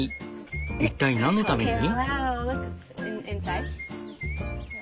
一体なんのために？